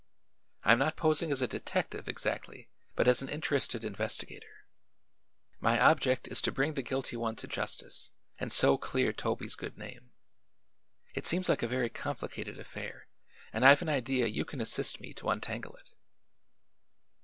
"I am not posing as a detective, exactly, but as an interested investigator. My object is to bring the guilty one to justice and so clear Toby's good name. It seems like a very complicated affair and I've an idea you can assist me to untangle it."